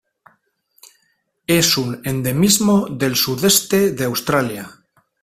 Es un endemismo del sudeste de Australia.